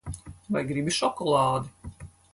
Vai gribi šokolādi?